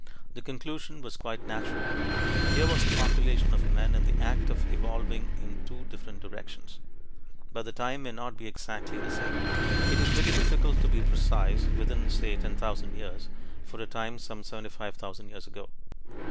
The conclusion was quite natural: here was a population of men in the act of evolving in two different directions. But the time may not be exactly the same. It is very difficult to be precise, within say 10,000 years, for a time some 75,000 years ago.